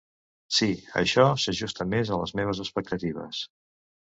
Sí, això s'ajusta més a les meves expectatives.